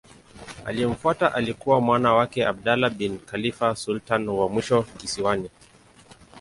Aliyemfuata alikuwa mwana wake Abdullah bin Khalifa sultani wa mwisho kisiwani.